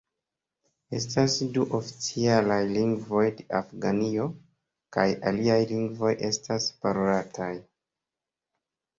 Estas du oficialaj lingvoj de Afganio, kaj aliaj lingvoj estas parolataj.